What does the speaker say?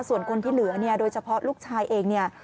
ส่วนคนที่เหลือเนี่ยโดยเฉพาะลูกชายเองเนี่ย